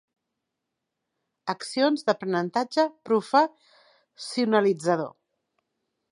Accions d'aprenentatge professionalitzador.